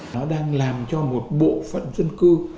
nó đang làm cho một bộ phận dân cư